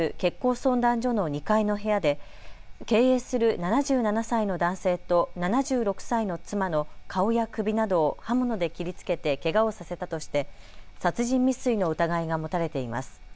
相談所の２階の部屋で経営する７７歳の男性と７６歳の妻の顔や首などを刃物で切りつけてけがをさせたとして殺人未遂の疑いが持たれています。